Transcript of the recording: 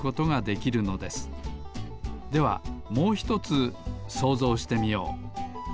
ではもうひとつそうぞうしてみよう。